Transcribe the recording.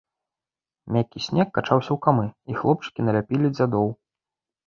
Мяккі снег качаўся ў камы, і хлопчыкі наляпілі дзядоў.